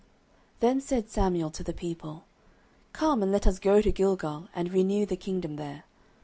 09:011:014 Then said Samuel to the people, Come, and let us go to Gilgal, and renew the kingdom there.